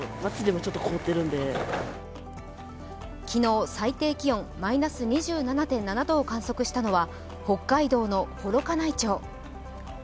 昨日、最低気温マイナス２７．７度を観測したのは、北海道の幌加内町。